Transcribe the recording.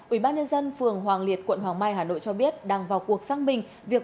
ủy ban nhân dân phường hoàng liệt quận hoàng mai hà nội cho biết đang vào cuộc xác minh việc